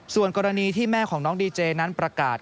ส่วนกรณีที่แม่ของน้องดีเจนั้นประกาศ